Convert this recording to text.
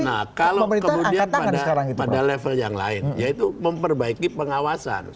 nah kalau kemudian pada level yang lain yaitu memperbaiki pengawasan